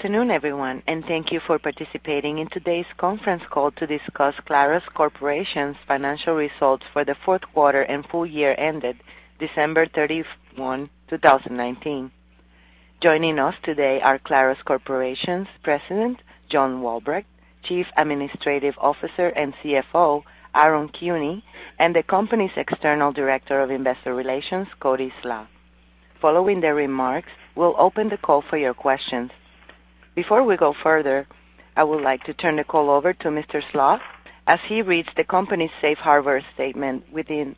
Afternoon, everyone, and thank you for participating in today's conference call to discuss Clarus Corporation's financial results for the fourth quarter and full year ended December 31, 2019. Joining us today are Clarus Corporation's President, John Walbrecht, Chief Administrative Officer and CFO, Aaron Kuehne, and the company's External Director of Investor Relations, Cody Slach. Following their remarks, we'll open the call for your questions. Before we go further, I would like to turn the call over to Mr. Slach as he reads the company's safe harbor statement within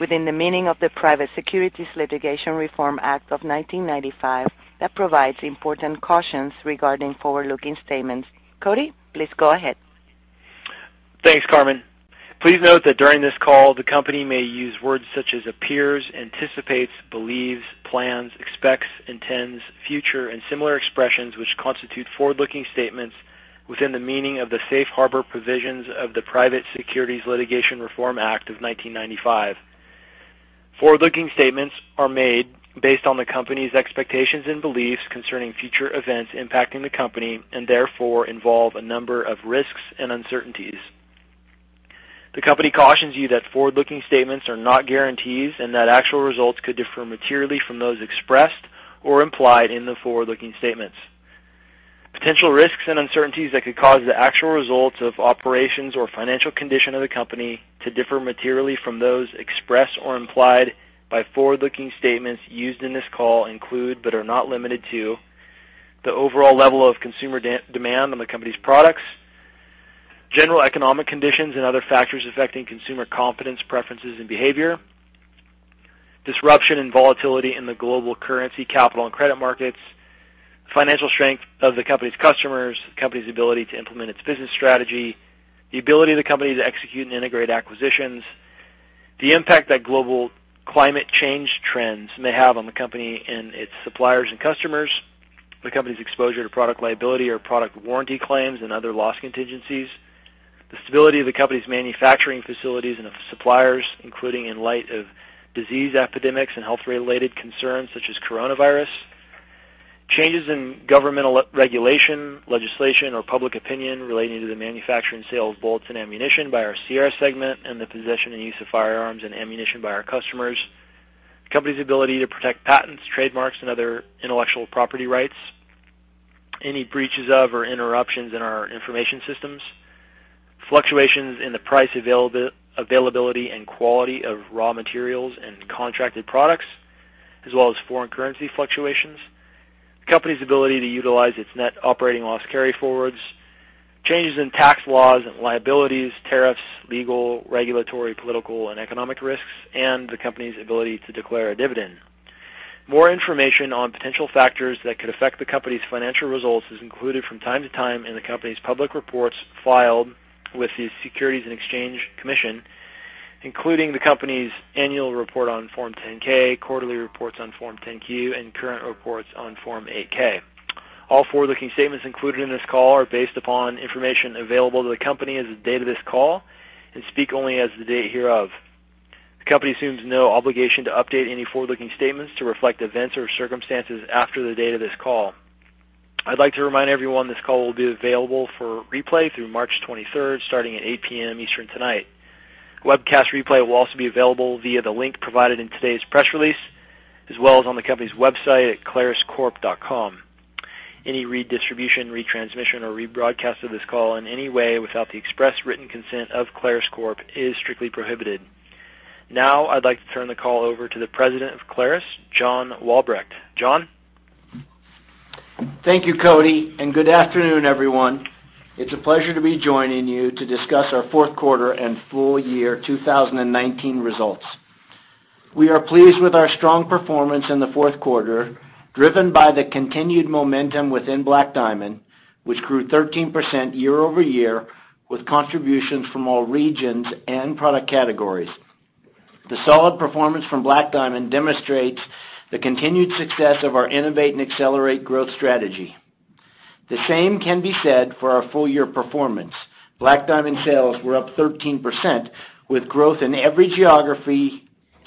the meaning of the Private Securities Litigation Reform Act of 1995 that provides important cautions regarding forward-looking statements. Cody, please go ahead. Thanks, Carmen. Please note that during this call, the company may use words such as appears, anticipates, believes, plans, expects, intends, future, and similar expressions, which constitute forward-looking statements within the meaning of the safe harbor provisions of the Private Securities Litigation Reform Act of 1995. Forward-looking statements are made based on the company's expectations and beliefs concerning future events impacting the company and therefore involve a number of risks and uncertainties. The company cautions you that forward-looking statements are not guarantees and that actual results could differ materially from those expressed or implied in the forward-looking statements. Potential risks and uncertainties that could cause the actual results of operations or financial condition of the company to differ materially from those expressed or implied by forward-looking statements used in this call include, but are not limited to; the overall level of consumer demand on the company's products, general economic conditions and other factors affecting consumer confidence, preferences, and behavior, disruption and volatility in the global currency, capital, and credit markets, financial strength of the company's customers, the company's ability to implement its business strategy, the ability of the company to execute and integrate acquisitions, the impact that global climate change trends may have on the company and its suppliers and customers. The company's exposure to product liability or product warranty claims and other loss contingencies, the stability of the company's manufacturing facilities and of suppliers, including in light of disease epidemics and health-related concerns such as coronavirus, changes in governmental regulation, legislation, or public opinion relating to the manufacturing sale of bullets and ammunition by our Sierra segment and the possession and use of firearms and ammunition by our customers, the company's ability to protect patents, trademarks, and other intellectual property rights, any breaches of or interruptions in our information systems, fluctuations in the price availability and quality of raw materials and contracted products, as well as foreign currency fluctuations, the company's ability to utilize its net operating loss carryforwards, changes in tax laws and liabilities, tariffs, legal, regulatory, political, and economic risks, and the company's ability to declare a dividend. More information on potential factors that could affect the company's financial results is included from time to time in the company's public reports filed with the Securities and Exchange Commission, including the company's annual report on Form 10-K, quarterly reports on Form 10-Q, and current reports on Form 8-K. All forward-looking statements included in this call are based upon information available to the company as of the date of this call and speak only as of the date hereof. The company assumes no obligation to update any forward-looking statements to reflect events or circumstances after the date of this call. I'd like to remind everyone this call will be available for replay through March 23rd, starting at 8:00 P.M. Eastern tonight. Webcast replay will also be available via the link provided in today's press release, as well as on the company's website at claruscorp.com. Any redistribution, retransmission, or rebroadcast of this call in any way without the express written consent of Clarus Corp is strictly prohibited. I'd like to turn the call over to the President of Clarus, John Walbrecht. John? Thank you, Cody. Good afternoon, everyone. It's a pleasure to be joining you to discuss our fourth quarter and full year 2019 results. We are pleased with our strong performance in the fourth quarter, driven by the continued momentum within Black Diamond, which grew 13% year-over-year with contributions from all regions and product categories. The solid performance from Black Diamond demonstrates the continued success of our innovate and accelerate growth strategy. The same can be said for our full-year performance. Black Diamond sales were up 13%, with growth in every geography,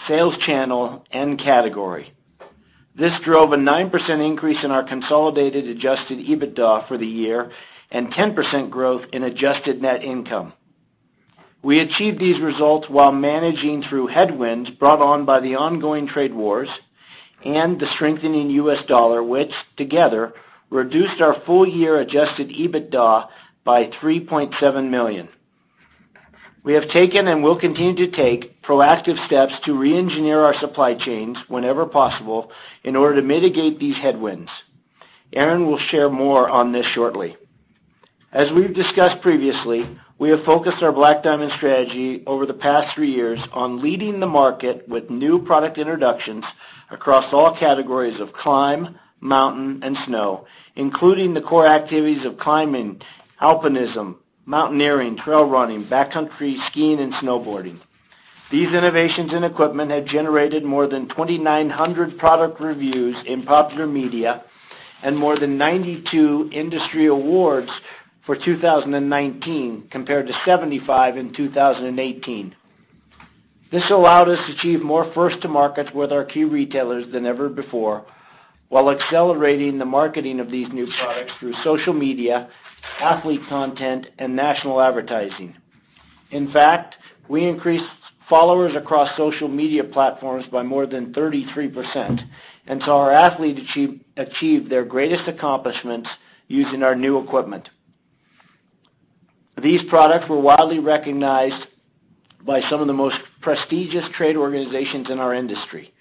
sales channel, and category. This drove a 9% increase in our consolidated adjusted EBITDA for the year and 10% growth in adjusted net income. We achieved these results while managing through headwinds brought on by the ongoing trade wars and the strengthening U.S. dollar, which together reduced our full-year adjusted EBITDA by $3.7 million. We have taken and will continue to take proactive steps to reengineer our supply chains whenever possible in order to mitigate these headwinds. Aaron will share more on this shortly. As we've discussed previously, we have focused our Black Diamond strategy over the past three years on leading the market with new product introductions across all categories of climb, mountain, and snow, including the core activities of climbing, alpinism, mountaineering, trail running, backcountry skiing, and snowboarding. These innovations in equipment have generated more than 2,900 product reviews in popular media and more than 92 industry awards for 2019 compared to 75 in 2018. This allowed us to achieve more firsts to market with our key retailers than ever before, while accelerating the marketing of these new products through social media, athlete content, and national advertising. In fact, we increased followers across social media platforms by more than 33%, and saw our athletes achieve their greatest accomplishments using our new equipment. These products were widely recognized by some of the most prestigious trade organizations in our industry.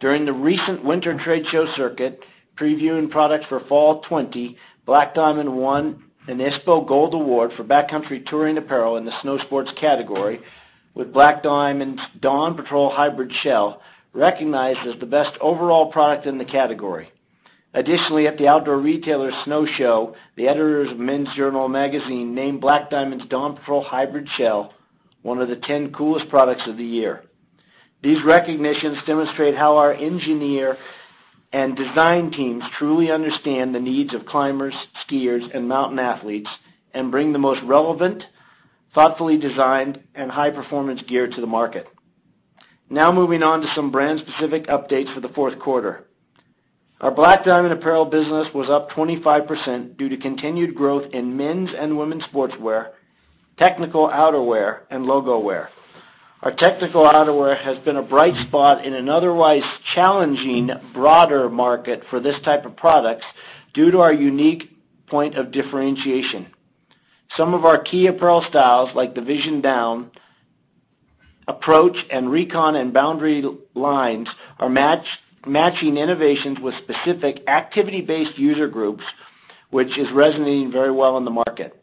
During the recent winter trade show circuit, previewing products for fall 2020, Black Diamond won an ISPO Gold Award for backcountry touring apparel in the snow sports category, with Black Diamond's Dawn Patrol Hybrid Shell recognized as the best overall product in the category. At the Outdoor Retailer Snow Show, the editors of Men's Journal Magazine named Black Diamond's Dawn Patrol Hybrid Shell one of the 10 coolest products of the year. These recognitions demonstrate how our engineer and design teams truly understand the needs of climbers, skiers, and mountain athletes, and bring the most relevant, thoughtfully designed, and high-performance gear to the market. Moving on to some brand-specific updates for the fourth quarter. Our Black Diamond apparel business was up 25% due to continued growth in men's and women's sportswear, technical outerwear, and logo wear. Our technical outerwear has been a bright spot in an otherwise challenging broader market for this type of product due to our unique point of differentiation. Some of our key apparel styles, like the Vision Down, Approach, and Recon, and BoundaryLine, are matching innovations with specific activity-based user groups, which is resonating very well in the market.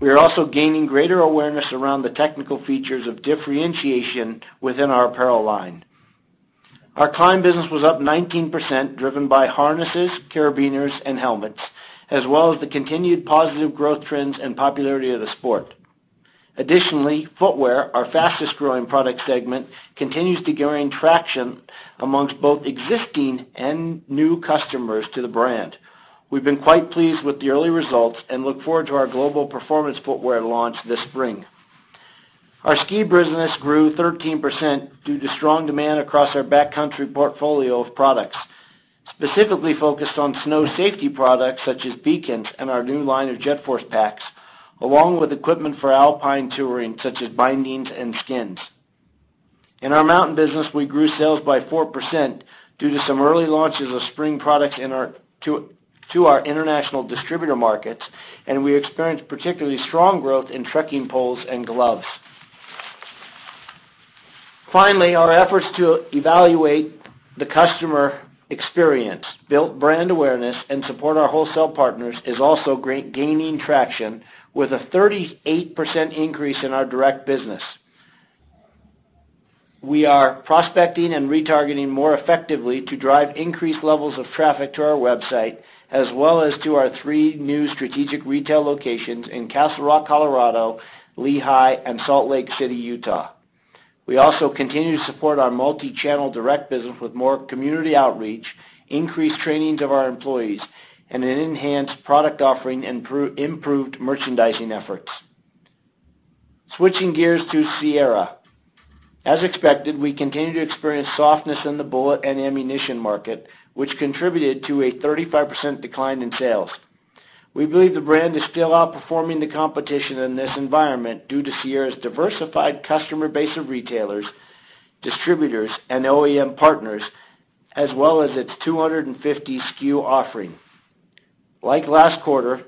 We are also gaining greater awareness around the technical features of differentiation within our apparel line. Our Climb business was up 19%, driven by harnesses, carabiners, and helmets, as well as the continued positive growth trends and popularity of the sport. Additionally, footwear, our fastest-growing product segment, continues to gain traction amongst both existing and new customers to the brand. We've been quite pleased with the early results and look forward to our global performance footwear launch this spring. Our Ski business grew 13% due to strong demand across our backcountry portfolio of products, specifically focused on snow safety products such as beacons and our new line of JetForce packs, along with equipment for alpine touring, such as bindings and skins. In our Mountain business, we grew sales by 4% due to some early launches of spring products to our international distributor markets, and we experienced particularly strong growth in trekking poles and gloves. Finally, our efforts to evaluate the customer experience, build brand awareness, and support our wholesale partners is also gaining traction with a 38% increase in our direct business. We are prospecting and retargeting more effectively to drive increased levels of traffic to our website, as well as to our three new strategic retail locations in Castle Rock, Colorado, Lehi, and Salt Lake City, Utah. We also continue to support our multi-channel direct business with more community outreach, increased trainings of our employees, and an enhanced product offering and improved merchandising efforts. Switching gears to Sierra. As expected, we continue to experience softness in the bullet and ammunition market, which contributed to a 35% decline in sales. We believe the brand is still outperforming the competition in this environment due to Sierra's diversified customer base of retailers, distributors, and OEM partners, as well as its 250 SKU offering. Like last quarter,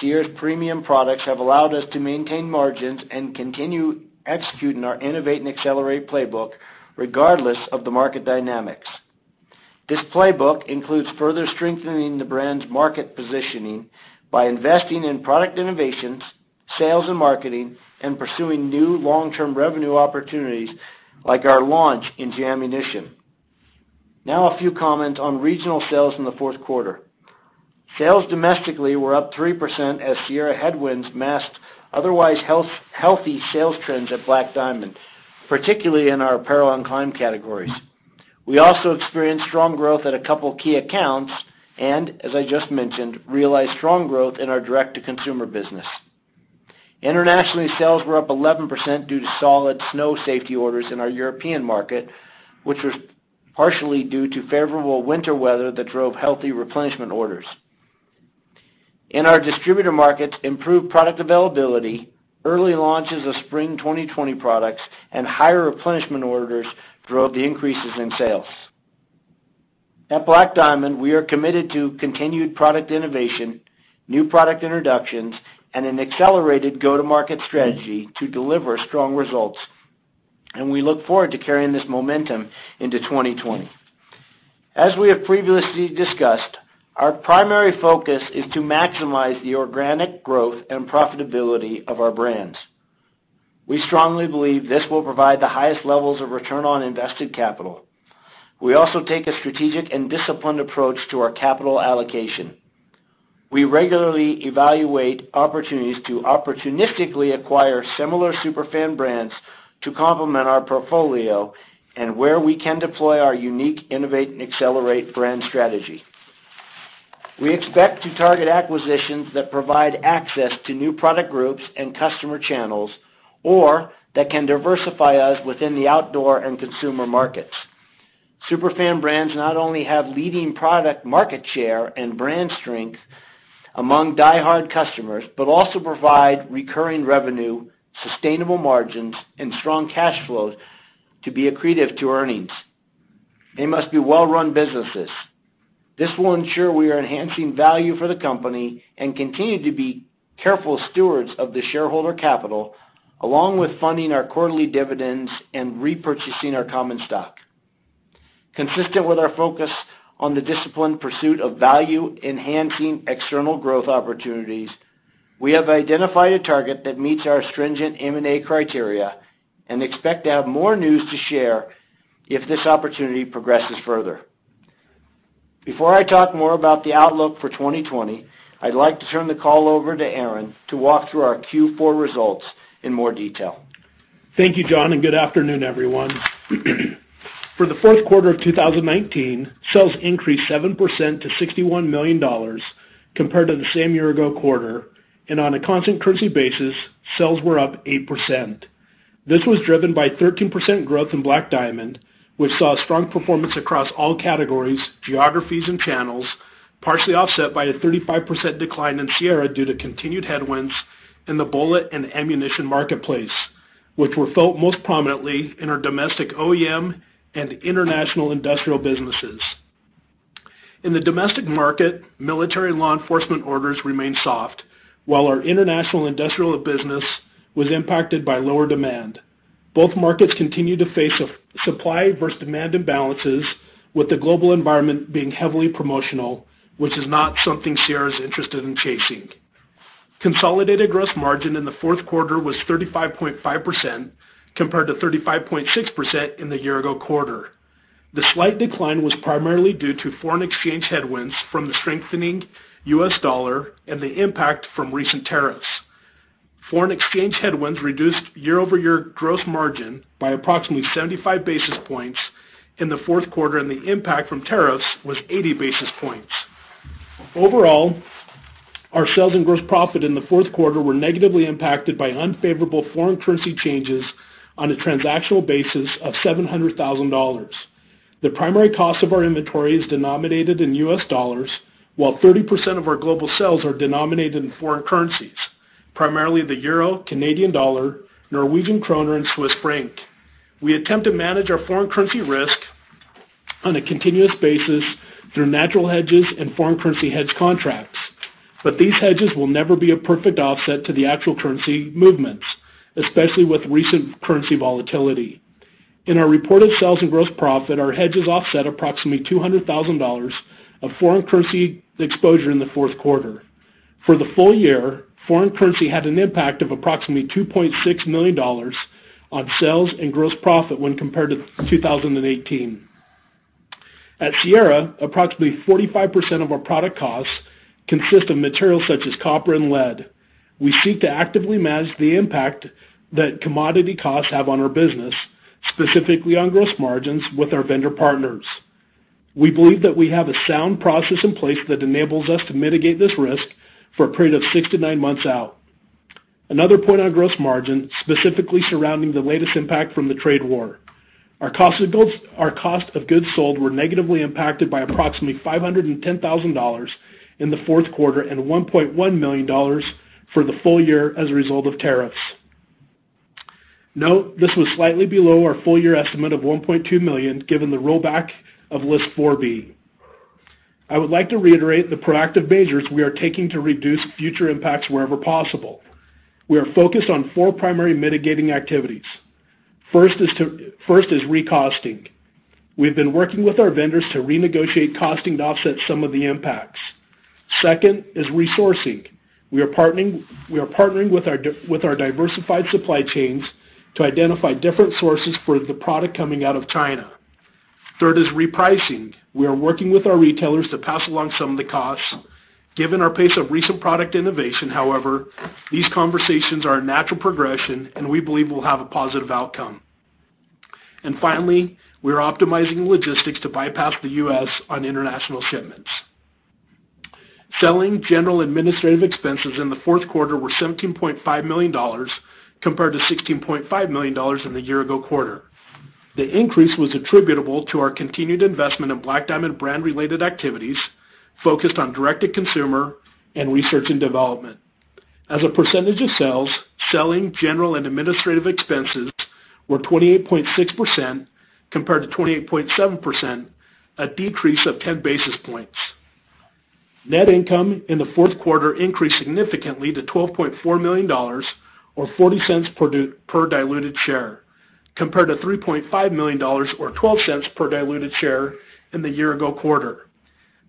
Sierra's premium products have allowed us to maintain margins and continue executing our innovate and accelerate playbook regardless of the market dynamics. This playbook includes further strengthening the brand's market positioning by investing in product innovations, sales, and marketing, and pursuing new long-term revenue opportunities like our launch into ammunition. Now a few comments on regional sales in the fourth quarter. Sales domestically were up 3% as Sierra headwinds masked otherwise healthy sales trends at Black Diamond, particularly in our apparel and climb categories. We also experienced strong growth at a couple key accounts and, as I just mentioned, realized strong growth in our direct-to-consumer business. Internationally, sales were up 11% due to solid snow safety orders in our European market, which was partially due to favorable winter weather that drove healthy replenishment orders. In our distributor markets, improved product availability, early launches of spring 2020 products, and higher replenishment orders drove the increases in sales. At Black Diamond, we are committed to continued product innovation, new product introductions, and an accelerated go-to-market strategy to deliver strong results, and we look forward to carrying this momentum into 2020. As we have previously discussed, our primary focus is to maximize the organic growth and profitability of our brands. We strongly believe this will provide the highest levels of return on invested capital. We also take a strategic and disciplined approach to our capital allocation. We regularly evaluate opportunities to opportunistically acquire similar super fan brands to complement our portfolio and where we can deploy our unique innovate and accelerate brand strategy. We expect to target acquisitions that provide access to new product groups and customer channels, or that can diversify us within the outdoor and consumer markets. Superfan brands not only have leading product market share and brand strength among diehard customers, but also provide recurring revenue, sustainable margins, and strong cash flows to be accretive to earnings. They must be well-run businesses. This will ensure we are enhancing value for the company and continue to be careful stewards of the shareholder capital, along with funding our quarterly dividends and repurchasing our common stock. Consistent with our focus on the disciplined pursuit of value-enhancing external growth opportunities, we have identified a target that meets our stringent M&A criteria and expect to have more news to share if this opportunity progresses further. Before I talk more about the outlook for 2020, I'd like to turn the call over to Aaron to walk through our Q4 results in more detail. Thank you, John, and good afternoon, everyone. For the fourth quarter of 2019, sales increased 7% to $61 million compared to the same year-ago quarter. On a constant currency basis, sales were up 8%. This was driven by 13% growth in Black Diamond, which saw strong performance across all categories, geographies, and channels, partially offset by a 35% decline in Sierra due to continued headwinds in the bullet and ammunition marketplace, which were felt most prominently in our domestic OEM and international industrial businesses. In the domestic market, military and law enforcement orders remained soft, while our international industrial business was impacted by lower demand. Both markets continue to face supply versus demand imbalances, with the global environment being heavily promotional, which is not something Sierra's interested in chasing. Consolidated gross margin in the fourth quarter was 35.5%, compared to 35.6% in the year-ago quarter. The slight decline was primarily due to foreign exchange headwinds from the strengthening U.S. dollar and the impact from recent tariffs. Foreign exchange headwinds reduced year-over-year gross margin by approximately 75 basis points in the fourth quarter, and the impact from tariffs was 80 basis points. Overall, our sales and gross profit in the fourth quarter were negatively impacted by unfavorable foreign currency changes on a transactional basis of $700,000. The primary cost of our inventory is denominated in U.S. dollars, while 30% of our global sales are denominated in foreign currencies, primarily the euro, Canadian dollar, Norwegian krone, and Swiss franc. We attempt to manage our foreign currency risk on a continuous basis through natural hedges and foreign currency hedge contracts. These hedges will never be a perfect offset to the actual currency movements, especially with recent currency volatility. In our reported sales and gross profit, our hedges offset approximately $200,000 of foreign currency exposure in the fourth quarter. For the full year, foreign currency had an impact of approximately $2.6 million on sales and gross profit when compared to 2018. At Sierra, approximately 45% of our product costs consist of materials such as copper and lead. We seek to actively manage the impact that commodity costs have on our business, specifically on gross margins with our vendor partners. We believe that we have a sound process in place that enables us to mitigate this risk for a period of six to nine months out. Another point on gross margin, specifically surrounding the latest impact from the trade war. Our cost of goods sold were negatively impacted by approximately $510,000 in the fourth quarter and $1.1 million for the full year as a result of tariffs. Note, this was slightly below our full-year estimate of $1.2 million, given the rollback of List 4B. I would like to reiterate the proactive measures we are taking to reduce future impacts wherever possible. We are focused on four primary mitigating activities. First is recosting. We've been working with our vendors to renegotiate costing to offset some of the impacts. Second is resourcing. We are partnering with our diversified supply chains to identify different sources for the product coming out of China. Third is repricing. We are working with our retailers to pass along some of the costs. Given our pace of recent product innovation, however, these conversations are a natural progression, and we believe we'll have a positive outcome. Finally, we're optimizing logistics to bypass the U.S. on international shipments. Selling, general, and administrative expenses in the fourth quarter were $17.5 million, compared to $16.5 million in the year-ago quarter. The increase was attributable to our continued investment in Black Diamond brand-related activities focused on direct-to-consumer and research and development. As a percentage of sales, selling, general, and administrative expenses were 28.6% compared to 28.7%, a decrease of 10 basis points. Net income in the fourth quarter increased significantly to $12.4 million or $0.40 per diluted share, compared to $3.5 million or $0.12 per diluted share in the year-ago quarter.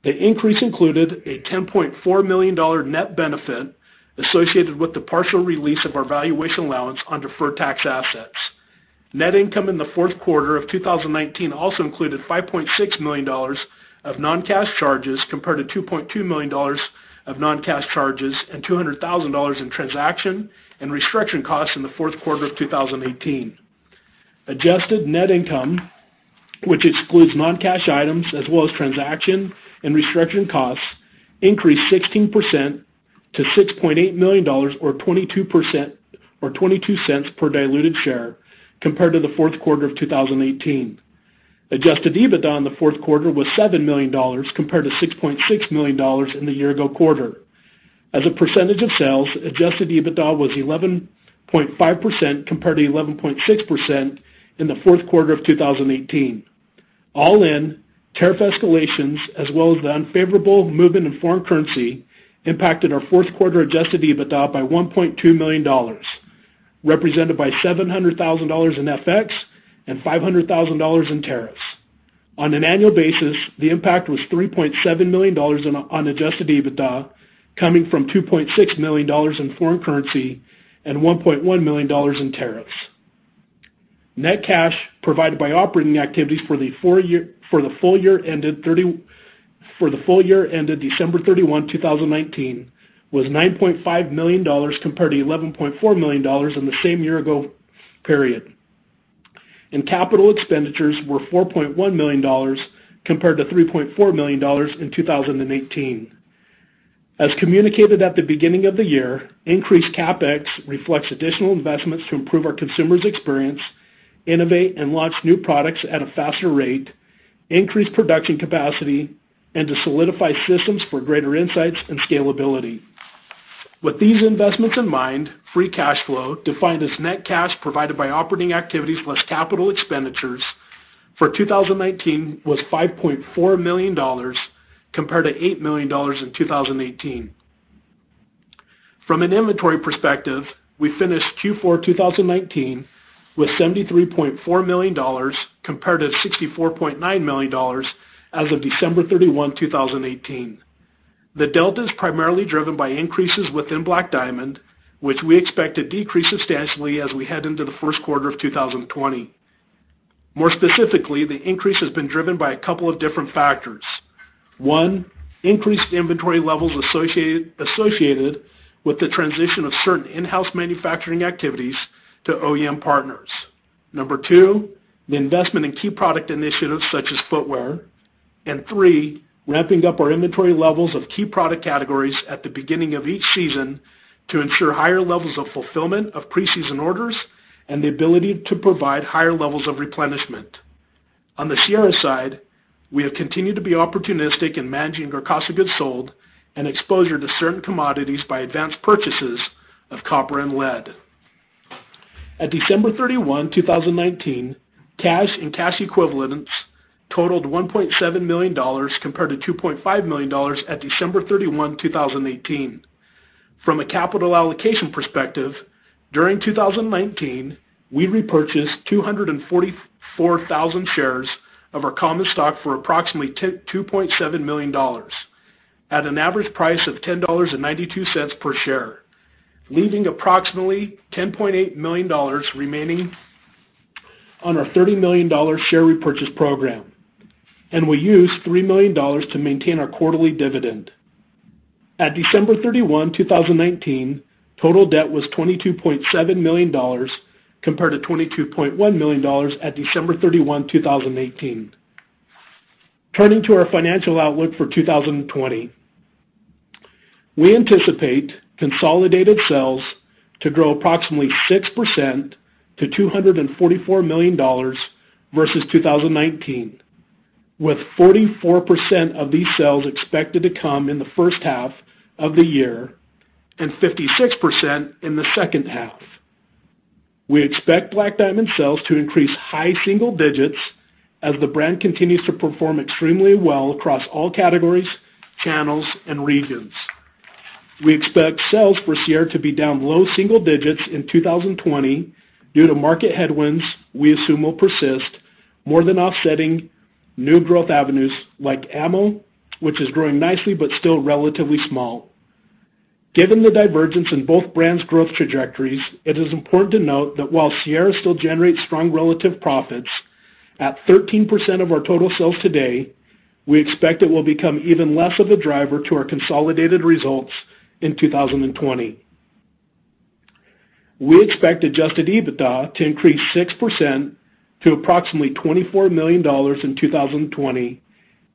The increase included a $10.4 million net benefit associated with the partial release of our valuation allowance on deferred tax assets. Net income in the fourth quarter of 2019 also included $5.6 million of non-cash charges, compared to $2.2 million of non-cash charges and $200,000 in transaction and restructuring costs in the fourth quarter of 2018. Adjusted net income, which excludes non-cash items as well as transaction and restructuring costs, increased 16% to $6.8 million, or $0.22 per diluted share compared to the fourth quarter of 2018. Adjusted EBITDA in the fourth quarter was $7 million compared to $6.6 million in the year ago same quarter. As a percentage of sales, adjusted EBITDA was 11.5% compared to 11.6% in the fourth quarter of 2018. All in, tariff escalations as well as the unfavorable movement in foreign currency impacted our fourth quarter adjusted EBITDA by $1.2 million, represented by $700,000 in FX and $500,000 in tariffs. On an annual basis, the impact was $3.7 million on adjusted EBITDA, coming from $2.6 million in foreign currency and $1.1 million in tariffs. Net cash provided by operating activities for the full year ended December 31, 2019, was $9.5 million compared to $11.4 million in the same year-ago period. Capital expenditures were $4.1 million compared to $3.4 million in 2018. As communicated at the beginning of the year, increased CapEx reflects additional investments to improve our consumers' experience, innovate and launch new products at a faster rate, increase production capacity, and to solidify systems for greater insights and scalability. With these investments in mind, free cash flow, defined as net cash provided by operating activities plus capital expenditures for 2019 was $5.4 million compared to $8 million in 2018. From an inventory perspective, we finished Q4 2019 with $73.4 million compared to $64.9 million as of December 31, 2018. The delta is primarily driven by increases within Black Diamond, which we expect to decrease substantially as we head into the first quarter of 2020. More specifically, the increase has been driven by a couple of different factors. One, increased inventory levels associated with the transition of certain in-house manufacturing activities to OEM partners. Number two, the investment in key product initiatives such as footwear. Three, ramping up our inventory levels of key product categories at the beginning of each season to ensure higher levels of fulfillment of pre-season orders and the ability to provide higher levels of replenishment. On the Sierra side, we have continued to be opportunistic in managing our cost of goods sold and exposure to certain commodities by advanced purchases of copper and lead. At December 31, 2019, cash and cash equivalents totaled $1.7 million compared to $2.5 million at December 31, 2018. From a capital allocation perspective, during 2019, we repurchased 244,000 shares of our common stock for approximately $2.7 million, at an average price of $10.92 per share, leaving approximately $10.8 million remaining on our $30 million share repurchase program. We used $3 million to maintain our quarterly dividend. At December 31, 2019, total debt was $22.7 million compared to $22.1 million at December 31, 2018. Turning to our financial outlook for 2020. We anticipate consolidated sales to grow approximately 6% to $244 million versus 2019, with 44% of these sales expected to come in the first half of the year and 56% in the second half. We expect Black Diamond sales to increase high single digits as the brand continues to perform extremely well across all categories, channels, and regions. We expect sales for Sierra to be down low single digits in 2020 due to market headwinds we assume will persist more than offsetting new growth avenues like ammo, which is growing nicely but still relatively small. Given the divergence in both brands' growth trajectories, it is important to note that while Sierra still generates strong relative profits at 13% of our total sales today, we expect it will become even less of a driver to our consolidated results in 2020. We expect adjusted EBITDA to increase 6% to approximately $24 million in 2020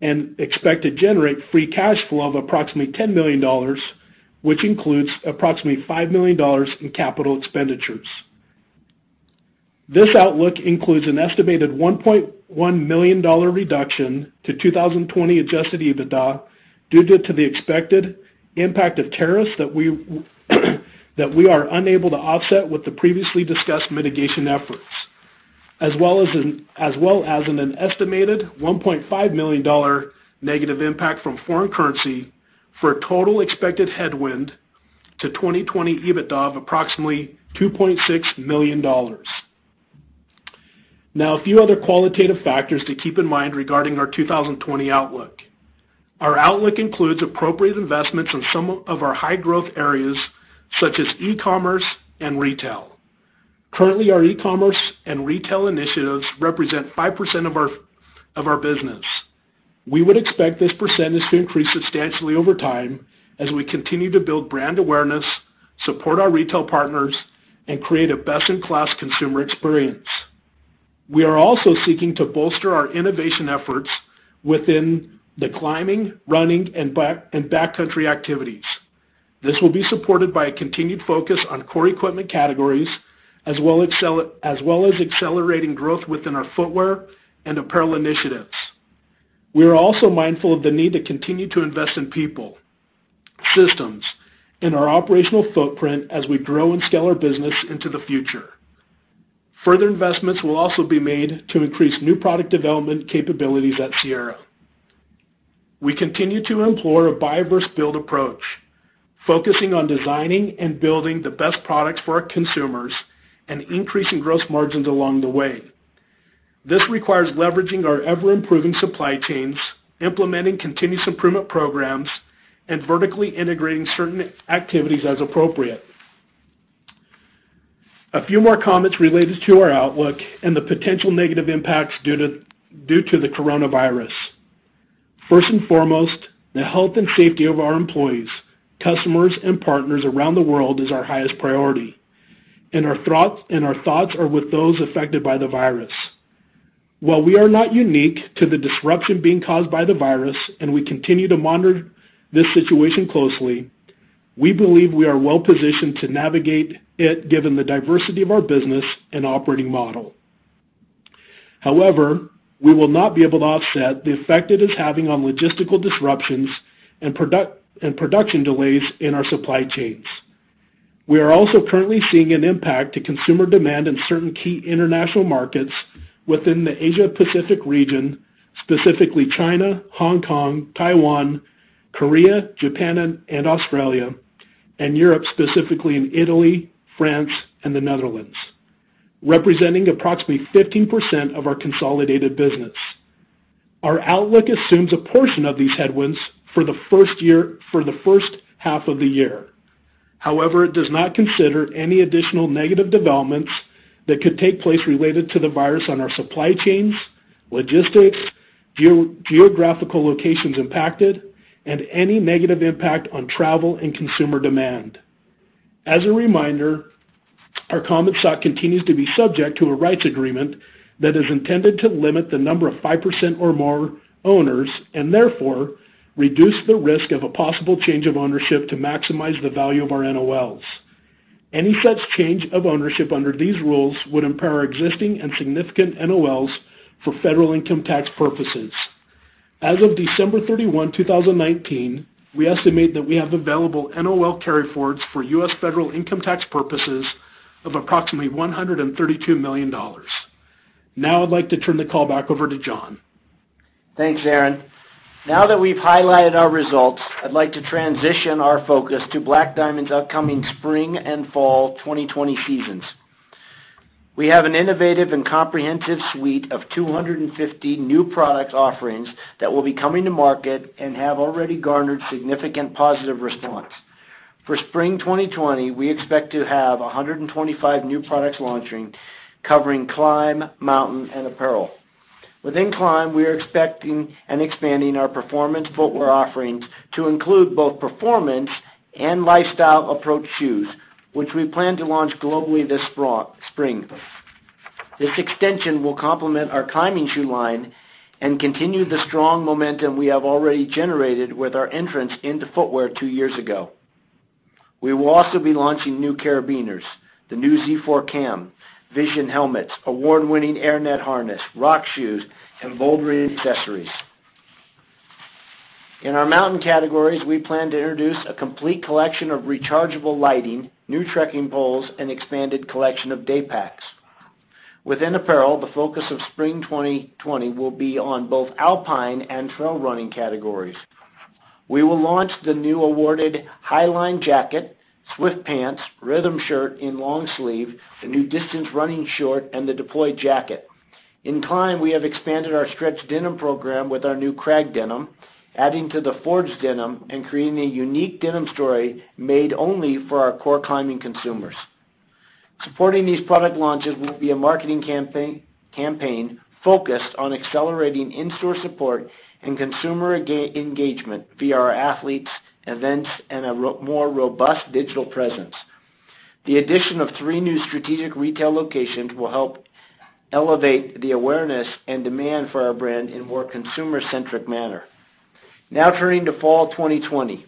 and expect to generate free cash flow of approximately $10 million, which includes approximately $5 million in capital expenditures. This outlook includes an estimated $1.1 million reduction to 2020 adjusted EBITDA due to the expected impact of tariffs that we are unable to offset with the previously discussed mitigation efforts, as well as an estimated $1.5 million negative impact from foreign currency for a total expected headwind to 2020 EBITDA of approximately $2.6 million. Now, a few other qualitative factors to keep in mind regarding our 2020 outlook. Our outlook includes appropriate investments in some of our high growth areas such as e-commerce and retail. Currently, our e-commerce and retail initiatives represent 5% of our business. We would expect this percentage to increase substantially over time as we continue to build brand awareness, support our retail partners, and create a best-in-class consumer experience. We are also seeking to bolster our innovation efforts within the climbing, running, and backcountry activities. This will be supported by a continued focus on core equipment categories, as well as accelerating growth within our footwear and apparel initiatives. We are also mindful of the need to continue to invest in people, systems, and our operational footprint as we grow and scale our business into the future. Further investments will also be made to increase new product development capabilities at Sierra. We continue to employ a buy versus build approach, focusing on designing and building the best products for our consumers and increasing gross margins along the way. This requires leveraging our ever-improving supply chains, implementing continuous improvement programs, and vertically integrating certain activities as appropriate. A few more comments related to our outlook and the potential negative impacts due to the coronavirus. First and foremost, the health and safety of our employees, customers, and partners around the world is our highest priority, and our thoughts are with those affected by the virus. While we are not unique to the disruption being caused by the virus, and we continue to monitor this situation closely, we believe we are well-positioned to navigate it given the diversity of our business and operating model. However, we will not be able to offset the effect it is having on logistical disruptions and production delays in our supply chains. We are also currently seeing an impact to consumer demand in certain key international markets within the Asia-Pacific region, specifically China, Hong Kong, Taiwan, Korea, Japan, and Australia, and Europe, specifically in Italy, France, and the Netherlands, representing approximately 15% of our consolidated business. Our outlook assumes a portion of these headwinds for the first half of the year. However, it does not consider any additional negative developments that could take place related to the virus on our supply chains, logistics, geographical locations impacted, and any negative impact on travel and consumer demand. As a reminder, our common stock continues to be subject to a rights agreement that is intended to limit the number of 5% or more owners, and therefore reduce the risk of a possible change of ownership to maximize the value of our NOLs. Any such change of ownership under these rules would impair existing and significant NOLs for U.S. federal income tax purposes. As of December 31, 2019, we estimate that we have available NOL carryforwards for U.S. federal income tax purposes of approximately $132 million. Now I'd like to turn the call back over to John. Thanks, Aaron. Now that we've highlighted our results, I'd like to transition our focus to Black Diamond's upcoming spring and fall 2020 seasons. We have an innovative and comprehensive suite of 250 new product offerings that will be coming to market and have already garnered significant positive response. For spring 2020, we expect to have 125 new products launching, covering climb, mountain, and apparel. Within climb, we are expecting and expanding our performance footwear offerings to include both performance and lifestyle Approach Shoes, which we plan to launch globally this spring. This extension will complement our climbing shoe line and continue the strong momentum we have already generated with our entrance into footwear two years ago. We will also be launching new carabiners, the new Z4 Cam, Vision helmets, award-winning airNET harness, rock shoes, and bouldering accessories. In our mountain categories, we plan to introduce a complete collection of rechargeable lighting, new trekking poles, and expanded collection of day packs. Within apparel, the focus of spring 2020 will be on both alpine and trail running categories. We will launch the new awarded HighLine jacket, Swift pants, Rhythm shirt in long sleeve, the new Distance running short, and the Deploy jacket. In climb, we have expanded our stretch denim program with our new Crag Denim, adding to the Forged Denim and creating a unique denim story made only for our core climbing consumers. Supporting these product launches will be a marketing campaign focused on accelerating in-store support and consumer engagement via our athletes, events, and a more robust digital presence. The addition of three new strategic retail locations will help elevate the awareness and demand for our brand in a more consumer-centric manner. Turning to fall 2020.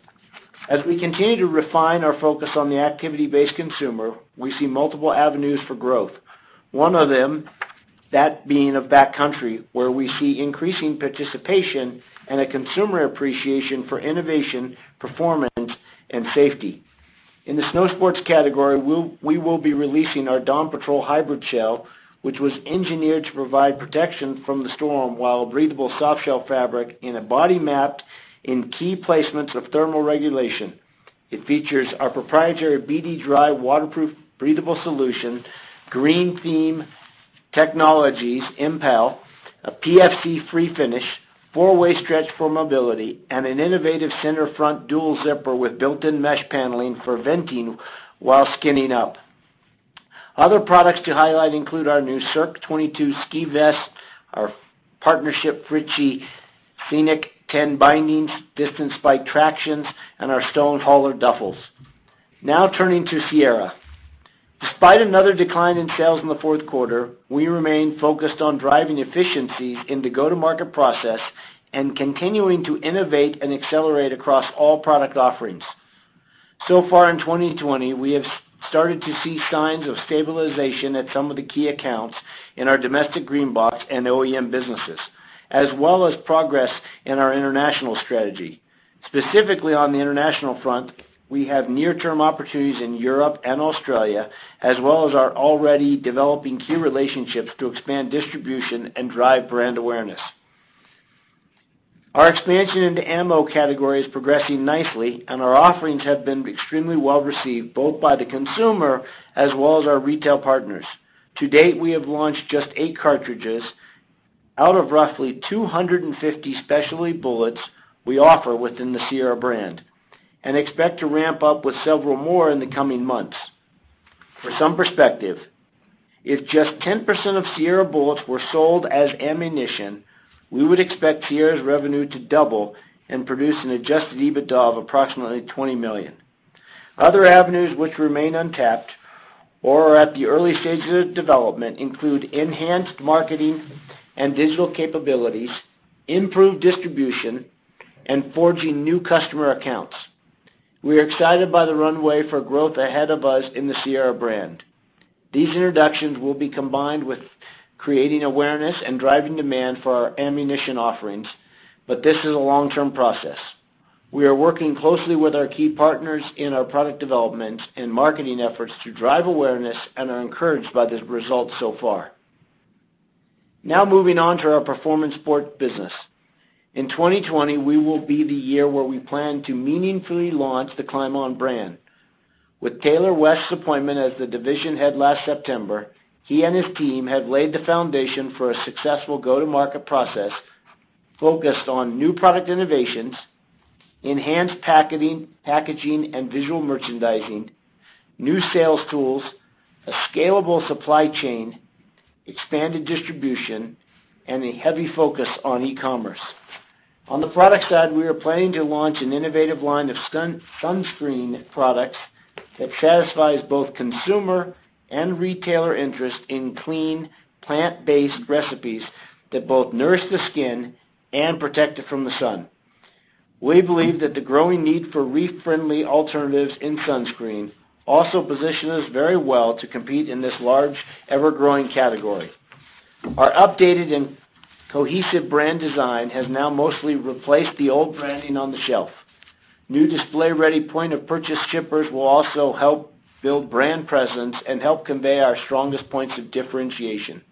As we continue to refine our focus on the activity-based consumer, we see multiple avenues for growth. One of them, that being of backcountry, where we see increasing participation and a consumer appreciation for innovation, performance, and safety. In the snow sports category, we will be releasing our Dawn Patrol Hybrid Shell, which was engineered to provide protection from the storm while breathable soft shell fabric in a body-mapped in key placements of thermal regulation. It features our proprietary BD.dry waterproof, breathable solution, Green Theme Technologies, EMPEL, a PFC-free finish, four-way stretch for mobility, and an innovative center-front dual zipper with built-in mesh paneling for venting while skinning up. Other products to highlight include our new Cirque 22 Ski Vest, our partnership with Fritschi Xenic 10 bindings, Distance Spike tractions, and our StoneHauler duffels. Turning to Sierra. Despite another decline in sales in the fourth quarter, we remain focused on driving efficiencies in the go-to-market process and continuing to innovate and accelerate across all product offerings. So far in 2020, we have started to see signs of stabilization at some of the key accounts in our domestic green box and OEM businesses, as well as progress in our international strategy. Specifically, on the international front, we have near-term opportunities in Europe and Australia, as well as are already developing key relationships to expand distribution and drive brand awareness. Our expansion into ammo category is progressing nicely, and our offerings have been extremely well-received, both by the consumer as well as our retail partners. To date, we have launched just eight cartridges out of roughly 250 specialty bullets we offer within the Sierra brand and expect to ramp up with several more in the coming months. For some perspective, if just 10% of Sierra bullets were sold as ammunition, we would expect Sierra's revenue to double and produce an adjusted EBITDA of approximately $20 million. Other avenues which remain untapped or are at the early stages of development include enhanced marketing and digital capabilities, improved distribution, and forging new customer accounts. We are excited by the runway for growth ahead of us in the Sierra brand. These introductions will be combined with creating awareness and driving demand for our ammunition offerings, this is a long-term process. We are working closely with our key partners in our product development and marketing efforts to drive awareness and are encouraged by the results so far. Now moving on to our performance sport business. In 2020, we will be the year where we plan to meaningfully launch the climbOn brand. With Taylor West's appointment as the division head last September, he and his team have laid the foundation for a successful go-to-market process focused on new product innovations, enhanced packaging and visual merchandising, new sales tools, a scalable supply chain, expanded distribution, and a heavy focus on e-commerce. On the product side, we are planning to launch an innovative line of sunscreen products that satisfies both consumer and retailer interest in clean, plant-based recipes that both nourish the skin and protect it from the sun. We believe that the growing need for reef-friendly alternatives in sunscreen also positions us very well to compete in this large, ever-growing category. Our updated and cohesive brand design has now mostly replaced the old branding on the shelf. New display-ready point-of-purchase shippers will also help build brand presence and help convey our strongest points of differentiation.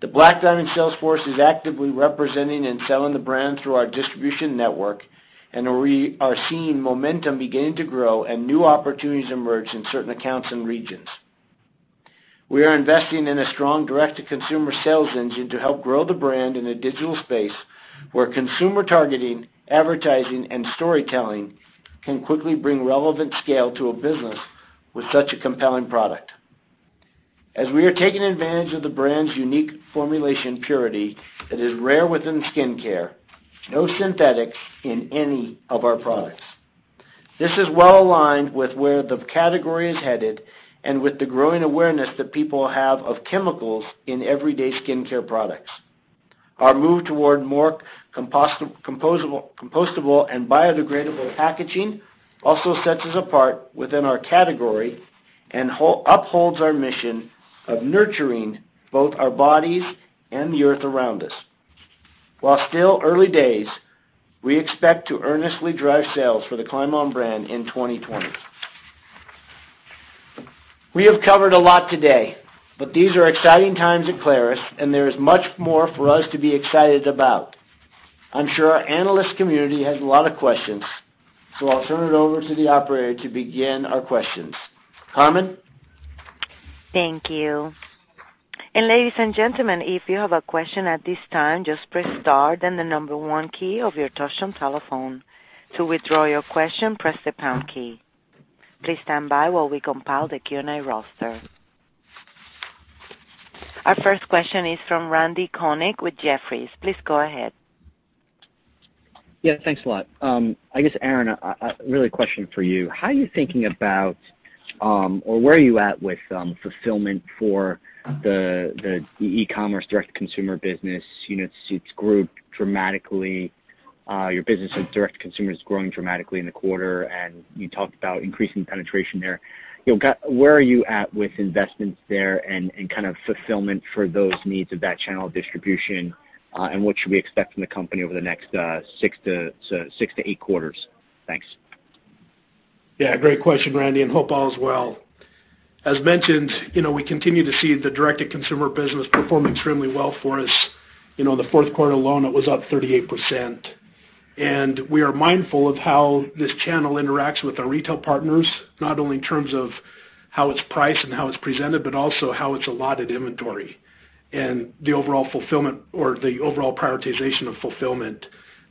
The Black Diamond sales force is actively representing and selling the brand through our distribution network, and we are seeing momentum beginning to grow and new opportunities emerge in certain accounts and regions. We are investing in a strong direct-to-consumer sales engine to help grow the brand in a digital space where consumer targeting, advertising, and storytelling can quickly bring relevant scale to a business with such a compelling product. As we are taking advantage of the brand's unique formulation purity that is rare within skincare, no synthetics in any of our products. This is well-aligned with where the category is headed and with the growing awareness that people have of chemicals in everyday skincare products. Our move toward more compostable and biodegradable packaging also sets us apart within our category and upholds our mission of nurturing both our bodies and the earth around us. While still early days, we expect to earnestly drive sales for the climbOn brand in 2020. We have covered a lot today, but these are exciting times at Clarus, and there is much more for us to be excited about. I'm sure our analyst community has a lot of questions, so I'll turn it over to the operator to begin our questions. Carmen? Thank you. Ladies and gentlemen, if you have a question at this time, just press star then the number one key of your touchtone telephone. To withdraw your question, press the pound key. Please stand by while we compile the Q&A roster. Our first question is from Randy Konik with Jefferies. Please go ahead. Thanks a lot. I guess, Aaron, really a question for you. How are you thinking about, or where are you at with fulfillment for the e-commerce direct-to-consumer business? Your business with direct-to-consumer is growing dramatically in the quarter, and you talked about increasing penetration there. Where are you at with investments there and fulfillment for those needs of that channel of distribution, and what should we expect from the company over the next six to eight quarters? Thanks. Yeah, great question, Randy, and hope all is well. As mentioned, we continue to see the direct-to-consumer business perform extremely well for us. The fourth quarter alone, it was up 38%. We are mindful of how this channel interacts with our retail partners, not only in terms of how it's priced and how it's presented, but also how it's allotted inventory and the overall fulfillment or the overall prioritization of fulfillment.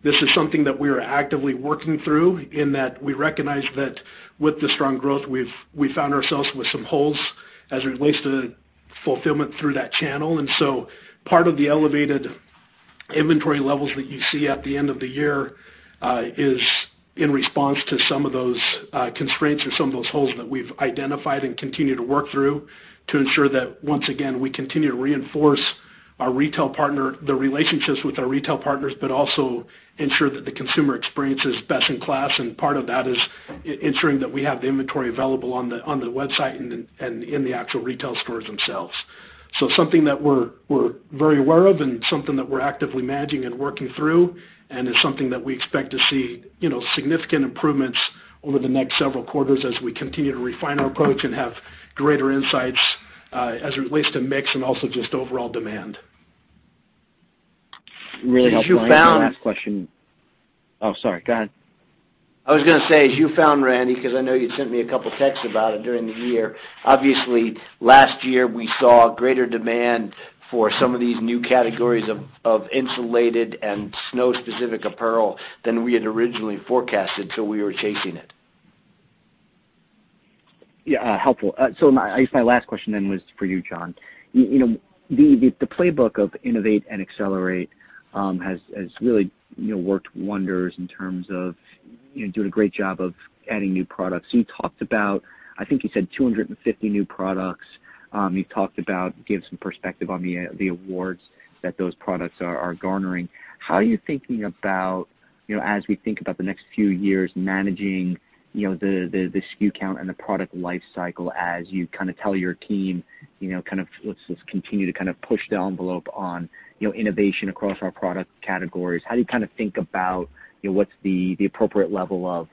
This is something that we are actively working through in that we recognize that with the strong growth, we found ourselves with some holes as it relates to the fulfillment through that channel. Part of the elevated inventory levels that you see at the end of the year is in response to some of those constraints or some of those holes that we've identified and continue to work through to ensure that, once again, we continue to reinforce the relationships with our retail partners, but also ensure that the consumer experience is best in class. Part of that is ensuring that we have the inventory available on the website and in the actual retail stores themselves. Something that we're very aware of and something that we're actively managing and working through, and is something that we expect to see significant improvements over the next several quarters as we continue to refine our approach and have greater insights, as it relates to mix and also just overall demand. Really helpful. The last question Oh, sorry. Go ahead. I was going to say, as you found, Randy, because I know you'd sent me a couple texts about it during the year. Obviously, last year we saw greater demand for some of these new categories of insulated and snow-specific apparel than we had originally forecasted, so we were chasing it. Yeah. Helpful. I guess my last question then was for you, John. The playbook of innovate and accelerate has really worked wonders in terms of doing a great job of adding new products. You talked about, I think you said 250 new products. You gave some perspective on the awards that those products are garnering. How are you thinking about, as we think about the next few years managing the SKU count and the product life cycle as you tell your team, "Let's just continue to push the envelope on innovation across our product categories." How do you think about what's the appropriate level of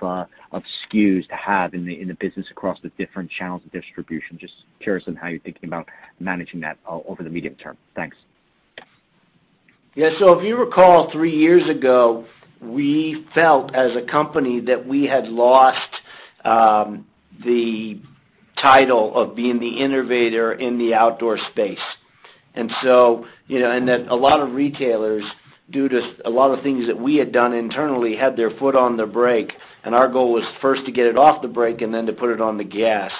SKUs to have in the business across the different channels of distribution? Just curious on how you're thinking about managing that over the medium term. Thanks. Yeah. If you recall, three years ago, we felt as a company that we had lost the title of being the innovator in the outdoor space. That a lot of retailers, due to a lot of things that we had done internally, had their foot on the brake, and our goal was first to get it off the brake and then to put it on the gas.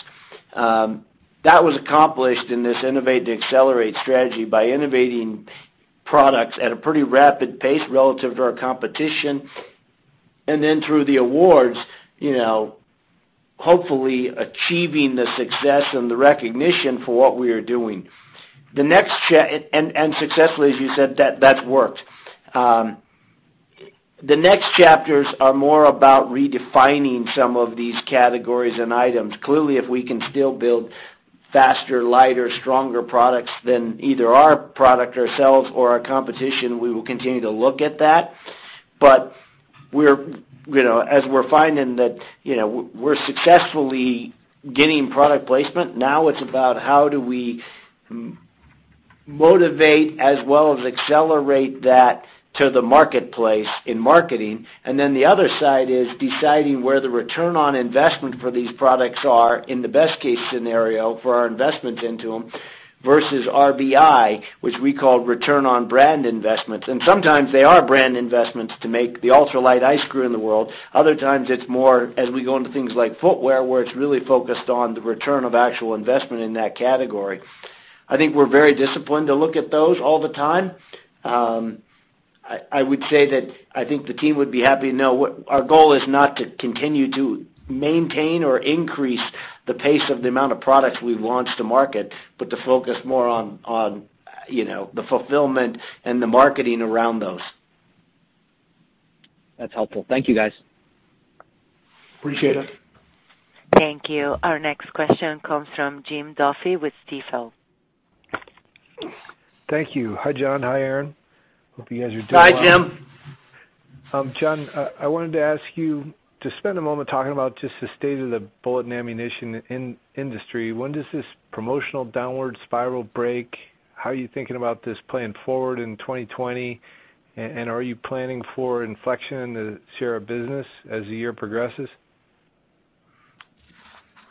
That was accomplished in this innovate and accelerate strategy by innovating products at a pretty rapid pace relative to our competition. Then through the awards, hopefully achieving the success and the recognition for what we are doing. Successfully, as you said, that's worked. The next chapters are more about redefining some of these categories and items. If we can still build faster, lighter, stronger products than either our product ourselves or our competition, we will continue to look at that. As we're finding that we're successfully getting product placement, now it's about how do we motivate as well as accelerate that to the marketplace in marketing. The other side is deciding where the return on investment for these products are in the best-case scenario for our investments into them versus RBI, which we call Return on Brand Investments. Sometimes they are brand investments to make the ultralight ice screw in the world. Other times, it's more as we go into things like footwear, where it's really focused on the return of actual investment in that category. I think we're very disciplined to look at those all the time. I would say that I think the team would be happy to know our goal is not to continue to maintain or increase the pace of the amount of products we've launched to market, but to focus more on the fulfillment and the marketing around those. That's helpful. Thank you, guys. Appreciate it. Thank you. Our next question comes from Jim Duffy with Stifel. Thank you. Hi, John. Hi, Aaron. Hope you guys are doing well. Hi, Jim. John, I wanted to ask you to spend a moment talking about just the state of the bullet and ammunition industry. When does this promotional downward spiral break? How are you thinking about this playing forward in 2020? Are you planning for inflection in the Sierra business as the year progresses?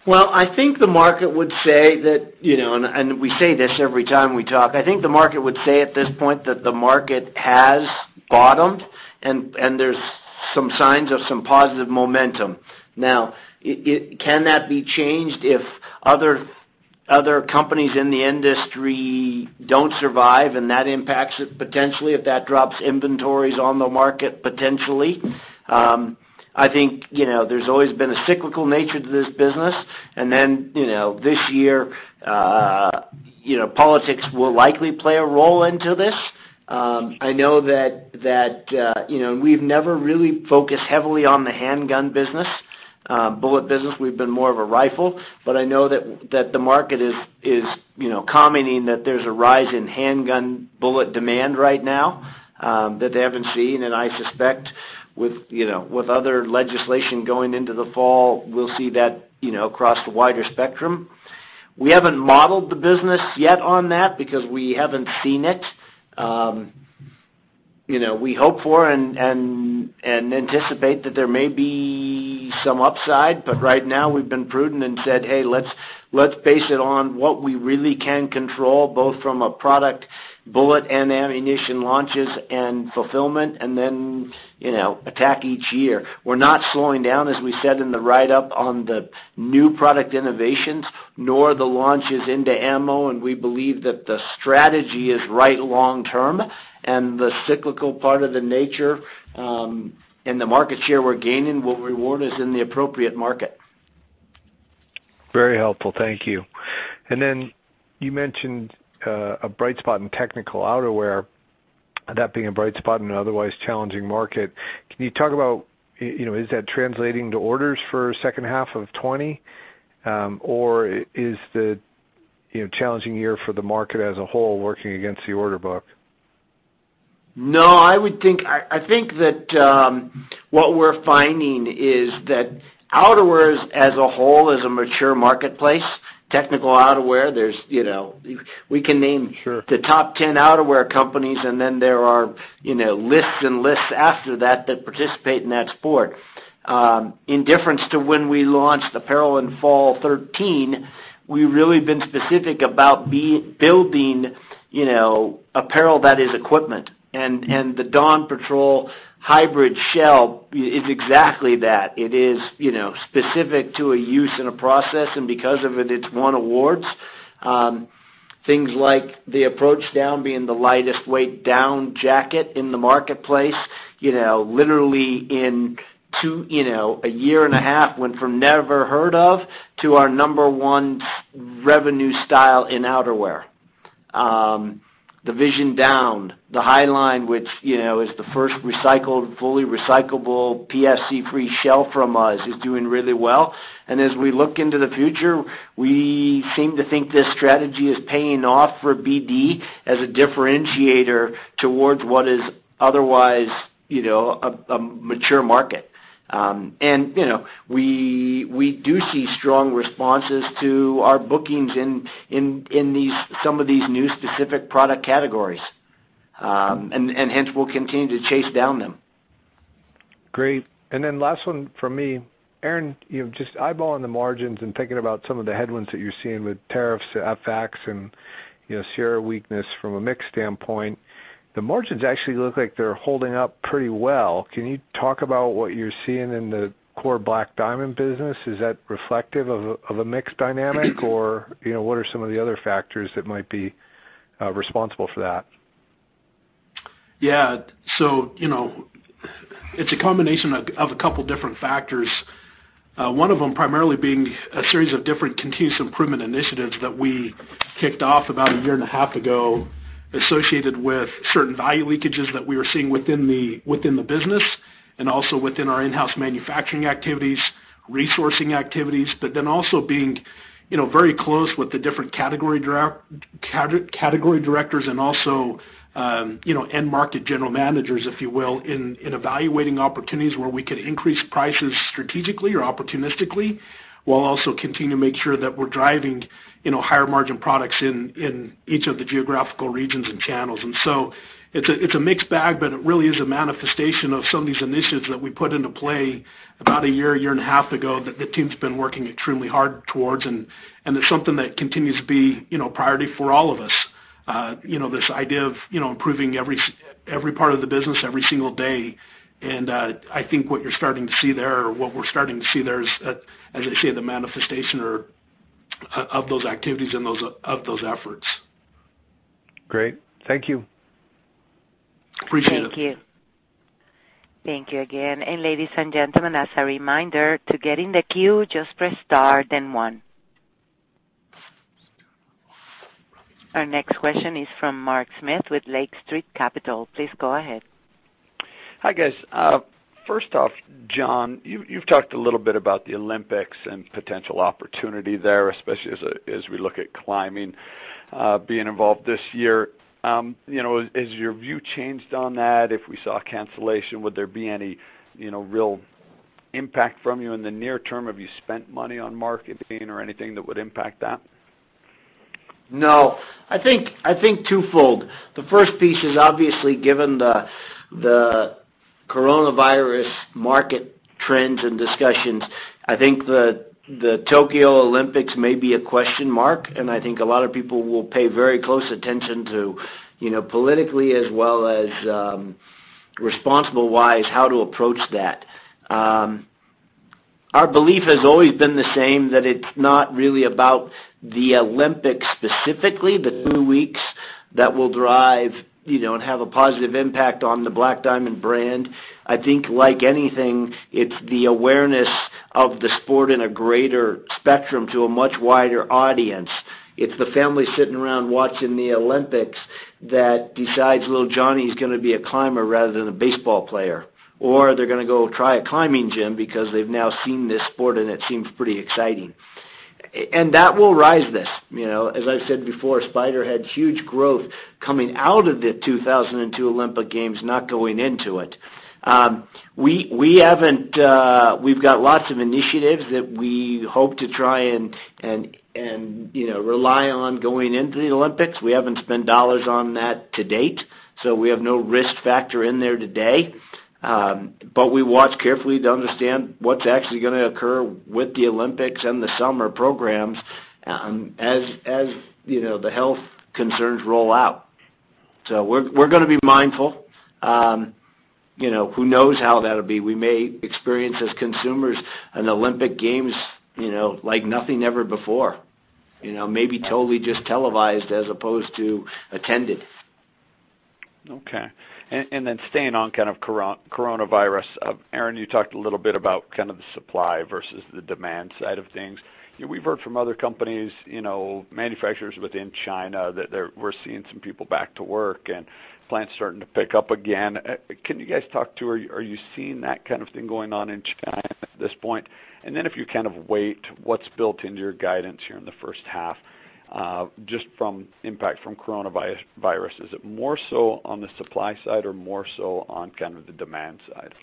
Well, I think the market would say that, and we say this every time we talk, I think the market would say at this point that the market has bottomed and there's some signs of some positive momentum. Now, can that be changed if other companies in the industry don't survive, and that impacts it potentially if that drops inventories on the market, potentially? I think there's always been a cyclical nature to this business. This year, politics will likely play a role into this. I know that we've never really focused heavily on the handgun business, bullet business, we've been more of a rifle. I know that the market is commenting that there's a rise in handgun bullet demand right now that they haven't seen. I suspect with other legislation going into the fall, we'll see that across the wider spectrum. We haven't modeled the business yet on that because we haven't seen it. We hope for and anticipate that there may be some upside, but right now we've been prudent and said, "Hey, let's base it on what we really can control, both from a product bullet and ammunition launches and fulfillment, and then attack each year." We're not slowing down, as we said in the write-up on the new product innovations, nor the launches into ammo, and we believe that the strategy is right long term, and the cyclical part of the nature, and the market share we're gaining will reward us in the appropriate market. Very helpful. Thank you. Then you mentioned a bright spot in technical outerwear, that being a bright spot in an otherwise challenging market. Can you talk about, is that translating to orders for second half of 2020? Is the challenging year for the market as a whole working against the order book? No. I think that what we're finding is that outerwear as a whole is a mature marketplace. Technical outerwear, we can name- Sure The top 10 outerwear companies, then there are lists and lists after that that participate in that sport. In difference to when we launched apparel in fall 2013, we've really been specific about building apparel that is equipment. The Dawn Patrol Hybrid Shell is exactly that. It is specific to a use and a process, because of it's won awards. Things like the Approach Down being the lightest weight down jacket in the marketplace. Literally in a year and a half, went from never heard of to our number 1 revenue style in outerwear. The Vision Down, the HighLine, which is the first fully recyclable PFC-free shell from us, is doing really well. As we look into the future, we seem to think this strategy is paying off for BD as a differentiator towards what is otherwise a mature market. We do see strong responses to our bookings in some of these new specific product categories. Hence, we'll continue to chase down them. Great. Last one from me. Aaron, just eyeballing the margins and thinking about some of the headwinds that you're seeing with tariffs, FX, and Sierra weakness from a mix standpoint, the margins actually look like they're holding up pretty well. Can you talk about what you're seeing in the core Black Diamond business? Is that reflective of a mix dynamic, or what are some of the other factors that might be responsible for that? Yeah. It's a combination of a couple different factors. One of them primarily being a series of different continuous improvement initiatives that we kicked off about a year and a half ago, associated with certain value leakages that we were seeing within the business and also within our in-house manufacturing activities, resourcing activities. Also being very close with the different category Directors and also end market General Managers, if you will, in evaluating opportunities where we could increase prices strategically or opportunistically, while also continuing to make sure that we're driving higher margin products in each of the geographical regions and channels. It's a mixed bag, but it really is a manifestation of some of these initiatives that we put into play about a year and a half ago that the team's been working extremely hard towards. It's something that continues to be a priority for all of us. This idea of improving every part of the business every single day. I think what you're starting to see there, or what we're starting to see there is, as I say, the manifestation of those activities and of those efforts. Great. Thank you. Appreciate it. Thank you again. Ladies and gentlemen, as a reminder, to get in the queue, just press star, then one. Our next question is from Mark Smith with Lake Street Capital. Please go ahead. Hi, guys. First off, John, you've talked a little bit about the Olympics and potential opportunity there, especially as we look at climbing being involved this year. Has your view changed on that? If we saw a cancellation, would there be any real impact from you in the near term? Have you spent money on marketing or anything that would impact that? No. I think two-fold. The first piece is obviously given the coronavirus market trends and discussions, I think the Tokyo Olympics may be a question mark, and I think a lot of people will pay very close attention to politically as well as responsible-wise, how to approach that. Our belief has always been the same, that it's not really about the Olympics specifically, the two weeks that will drive and have a positive impact on the Black Diamond brand. I think like anything, it's the awareness of the sport in a greater spectrum to a much wider audience. It's the family sitting around watching the Olympics that decides little Johnny's going to be a climber rather than a baseball player, or they're going to go try a climbing gym because they've now seen this sport and it seems pretty exciting. That will rise this. As I said before, Spyder had huge growth coming out of the 2002 Olympic Games, not going into it. We've got lots of initiatives that we hope to try and rely on going into the Olympics. We haven't spent dollars on that to date, so we have no risk factor in there today. We watch carefully to understand what's actually going to occur with the Olympics and the summer programs as the health concerns roll out. We're going to be mindful. Who knows how that'll be. We may experience as consumers an Olympic Games like nothing ever before. Maybe totally just televised as opposed to attended. Okay. Staying on kind of coronavirus. Aaron, you talked a little bit about kind of the supply versus the demand side of things. We've heard from other companies, manufacturers within China, that we're seeing some people back to work and plants starting to pick up again. Can you guys talk to, are you seeing that kind of thing going on in China at this point? If you kind of weight what's built into your guidance here in the first half, just from impact from coronavirus. Is it more so on the supply side or more so on kind of the demand side?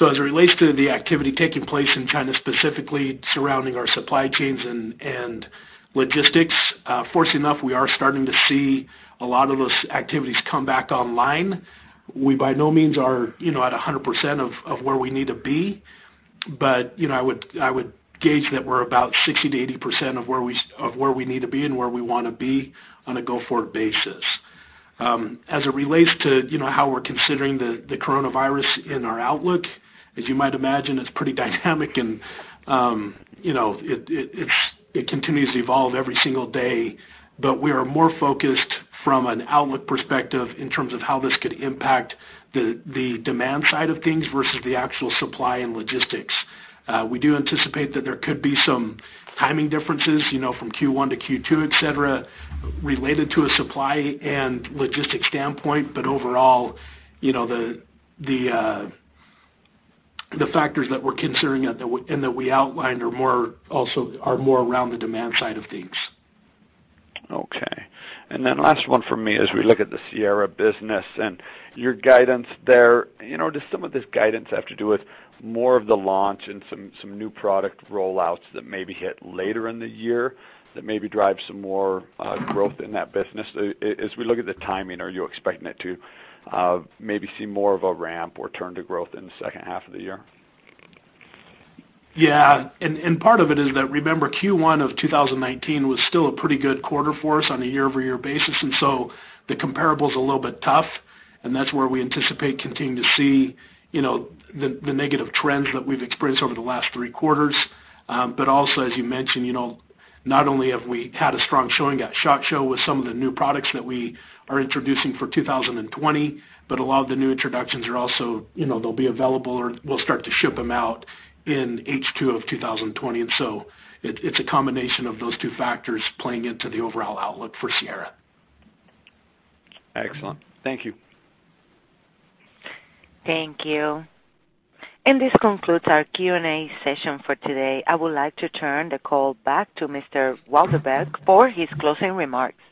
As it relates to the activity taking place in China, specifically surrounding our supply chains and logistics, fortunately enough, we are starting to see a lot of those activities come back online. We, by no means, are at 100% of where we need to be, but I would gauge that we're about 60%-80% of where we need to be and where we want to be on a go-forward basis. As it relates to how we're considering the coronavirus in our outlook, as you might imagine, it's pretty dynamic and it continues to evolve every single day. We are more focused from an outlook perspective in terms of how this could impact the demand side of things versus the actual supply and logistics. We do anticipate that there could be some timing differences from Q1 to Q2, et cetera, related to a supply and logistics standpoint. Overall, the factors that we're considering and that we outlined also are more around the demand side of things. Okay. Last one from me. As we look at the Sierra business and your guidance there, does some of this guidance have to do with more of the launch and some new product roll-outs that maybe hit later in the year, that maybe drive some more growth in that business? As we look at the timing, are you expecting it to maybe see more of a ramp or turn to growth in the second half of the year? Yeah. Part of it is that, remember Q1 of 2019 was still a pretty good quarter for us on a year-over-year basis, so the comparable's a little bit tough, and that's where we anticipate continuing to see the negative trends that we've experienced over the last three quarters. Also, as you mentioned, not only have we had a strong showing at SHOT Show with some of the new products that we are introducing for 2020, but a lot of the new introductions, they'll be available or we'll start to ship them out in H2 of 2020. So it's a combination of those two factors playing into the overall outlook for Sierra. Excellent. Thank you. Thank you. This concludes our Q&A session for today. I would like to turn the call back to Mr. Walbrecht for his closing remarks.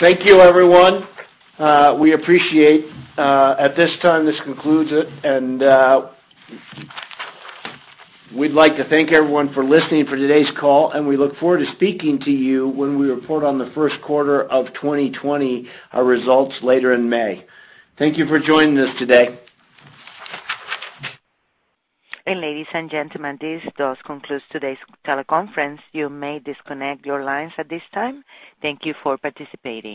Thank you, everyone. We appreciate. At this time, this concludes it, and we'd like to thank everyone for listening for today's call, and we look forward to speaking to you when we report on the first quarter of 2020, our results later in May. Thank you for joining us today. Ladies and gentlemen, this does conclude today's teleconference. You may disconnect your lines at this time. Thank you for participating.